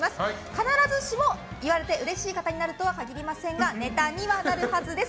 必ずしも、言われてうれしい方になるとは限りませんがネタにはなるはずです。